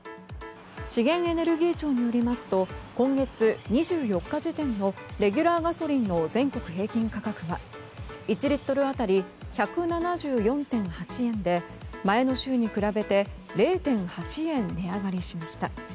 資源エネルギー庁によりますと今月２４日時点のレギュラーガソリンの全国平均価格は１リットル当たり１７４．８円で前の週に比べて０．８円値上がりしました。